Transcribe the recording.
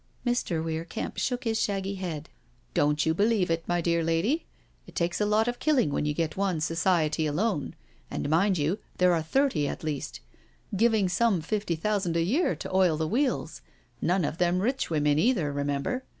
Mr. Weir Kemp shook his shaggy head. " Don't you believe it, my dear lady I It takes a lot of killing when you get one Society alone — and, mind you, there are thirty at least— giving some fifty thousand a year to oil the wheels; none of them rich women either, remember.